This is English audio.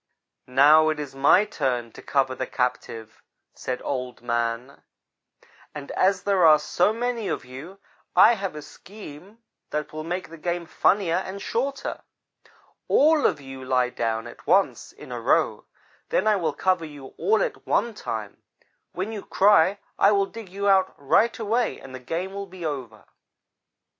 "'Now, it is my turn to cover the captive,' said Old man, 'and as there are so many of you, I have a scheme that will make the game funnier and shorter. All of you lie down at once in a row. Then I will cover you all at one time. When you cry I will dig you out right away and the game will be over.'